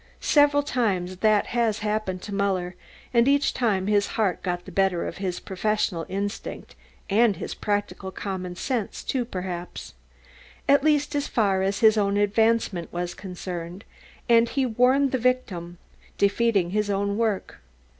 Several times that has happened to Muller, and each time his heart got the better of his professional instincts, of his practical common sense, too, perhaps,... at least as far as his own advancement was concerned, and he warned the victim, defeating his own work.